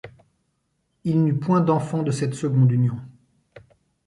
Il n'eut point d'enfants de cette seconde union.